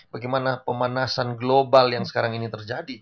bagaimana pemanasan global yang sekarang ini terjadi